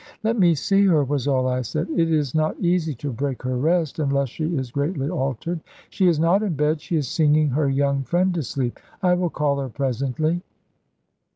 "Let me see her," was all I said; "it is not easy to break her rest, unless she is greatly altered." "She is not in bed; she is singing her young friend to sleep. I will call her presently."